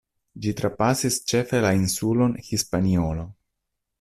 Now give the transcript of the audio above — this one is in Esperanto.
Ĝi trapasis ĉefe la insulon Hispaniolo.